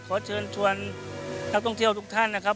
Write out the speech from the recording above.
ขอเชิญชวนนักท่องเที่ยวทุกท่านนะครับ